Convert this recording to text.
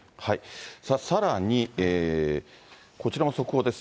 さらに、こちらも速報です。